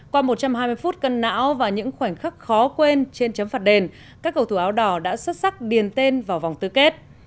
qua một trăm hai mươi phút cân não và những khoảnh khắc khó quên trên chấm phạt đền các cầu thủ áo đỏ đã xuất sắc điền tên vào vòng tư kết